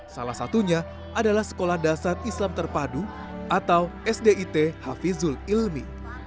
salah satunya adalah sekolah dasar islam terpadu atau sdit hafizul ilmi